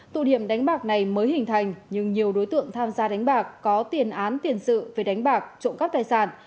tụ điểm đánh bạc này mới hình thành nhưng nhiều đối tượng tham gia đánh bạc có tiền án tiền sự về đánh bạc trộm cắp tài sản